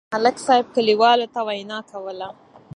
ملک صاحب کلیوالو ته وینا کوله.